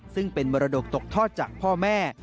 ซึ่งเป็นมรดกตกทอดจากพ่อแม่